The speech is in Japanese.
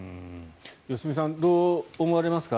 良純さんどう思われますか。